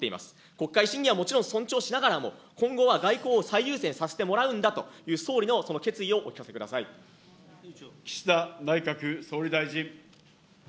国会審議はもちろん尊重しながらも、今後は外交を最優先させてもらうんだと、総理のその決意をお岸田内閣総理大臣。